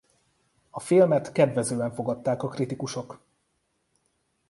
A filmet kedvezően fogadták a kritikusok.